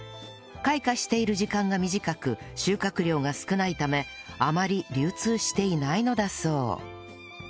開花している時間が短く収穫量が少ないためあまり流通していないのだそう